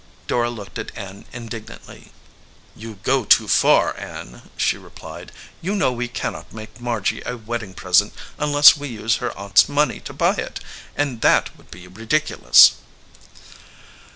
Dora looked at Ann indignantly. "You go too far, Ann," she replied. "You know we cannot make Margy a wedding present unless we use her aunt s money to buy it, and that would be ridicu lous."